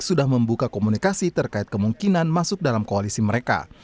sudah membuka komunikasi terkait kemungkinan masuk dalam koalisi mereka